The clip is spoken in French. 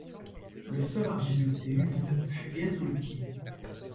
Le sol argileux et humide fuyait sous le pied.